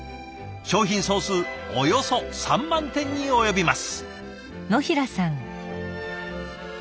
商品総数およそ３万点に及びます。